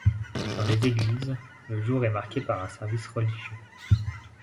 Dans les églises, le jour est marqué par un service religieux.